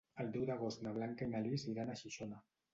El deu d'agost na Blanca i na Lis iran a Xixona.